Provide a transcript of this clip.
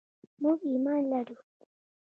موږ ایمان لرو.